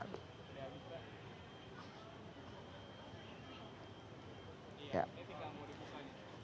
untuk menghasilkan kekuatan yang lebih baik dari raja salman